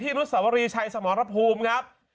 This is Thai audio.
ที่นุษยคทีชัยสมหรภูมิครับ